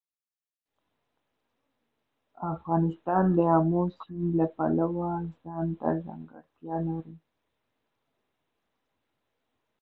افغانستان د آمو سیند له پلوه ځانته ځانګړتیا لري.